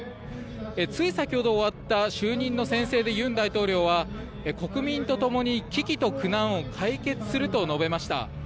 つい先ほど終わった就任の宣誓で尹大統領は国民とともに危機と苦難を解決すると述べました。